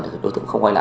đối tượng không quay lại